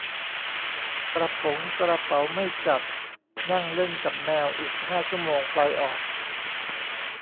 กระป๋งกระเป๋าไม่จัด นั่งเล่นกับแมวอีกห้าชั่วโมงไฟลท์ออก